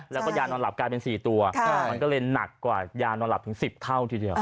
แล้วก็ยานอนหลับกลายเป็น๔ตัวมันก็เลยหนักกว่ายานอนหลับถึง๑๐เท่าทีเดียว